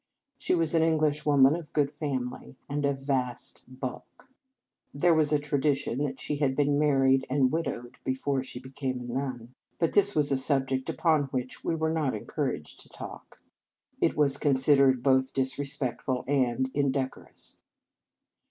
She was an Englishwo man of good family, and of vast bulk. There was a tradition that she had been married and widowed before she became a nun; but this was a subject upon which we were not en couraged to talk. It was considered 190 Reverend Mother s Feast both disrespectful and indecorous.